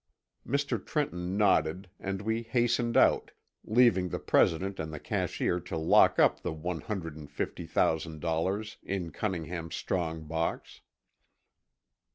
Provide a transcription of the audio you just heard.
Mr. Trenton nodded and we hastened out, leaving the president and the cashier to lock up the one hundred and fifty thousand dollars in Cunningham's strong box.